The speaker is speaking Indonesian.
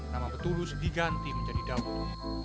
nama betulus diganti menjadi daud